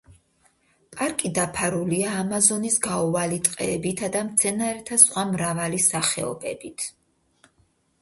პარკი დაფარულია ამაზონის გაუვალი ტყეებითა და მცენარეთა სხვა მრავალი სახეობებით.